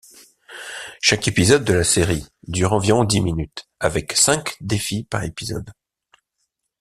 Chaque épisode de la série dure environ dix minutes, avec cinq défis par épisode.